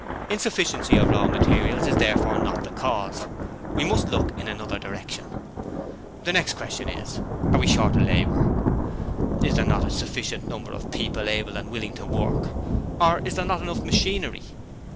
'Insufficiency of raw material is therefore not the cause. We must look in another direction. 'The next question is Are we short of labour? Is there not a sufficient number of people able and willing to work? Or is there not enough machinery?